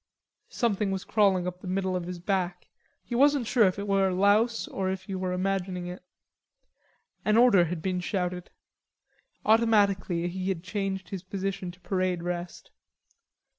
Something was crawling up the middle of his back. He wasn't sure if it were a louse or if he were imagining it. An order had been shouted. Automatically he had changed his position to parade rest.